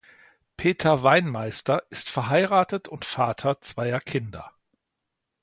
Peter Weinmeister ist verheiratet und Vater zweier Kinder.